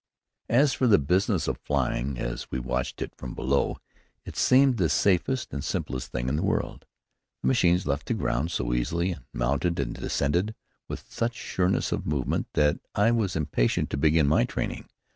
As for the business of flying, as we watched it from below, it seemed the safest and simplest thing in the world. The machines left the ground so easily, and mounted and descended with such sureness of movement, that I was impatient to begin my training.